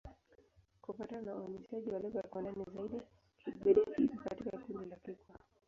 Kufuatana na uainishaji wa lugha kwa ndani zaidi, Kigbe-Defi iko katika kundi la Kikwa.